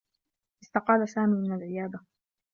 استقال سامي من العيادة.